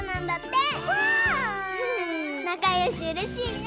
なかよしうれしいね！